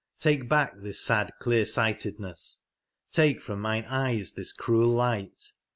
Take back this sad clear sightedness ; take from mine eyes this cruel light